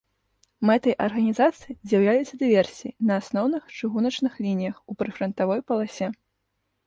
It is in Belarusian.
Мэтай арганізацыі з'яўляліся дыверсіі на асноўных чыгуначных лініях ў прыфрантавой паласе.